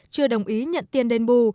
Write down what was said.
chưa đồng ý nhận tiền đền bù